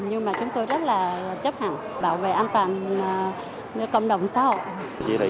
nhưng mà chúng tôi rất là chấp hẳn bảo vệ an toàn công đồng xã hội